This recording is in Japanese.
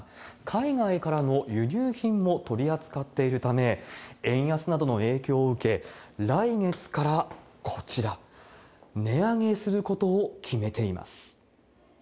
海外からの輸入品も取り扱っているため、円安などの影響を受け、来月からこちら、値上げすることを決めています。